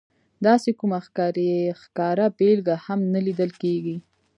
داسې کومه ښکاره بېلګه هم نه لیدل کېږي.